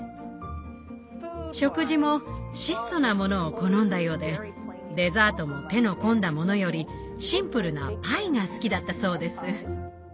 食事も質素なものを好んだようでデザートも手の込んだものよりシンプルなパイが好きだったそうです。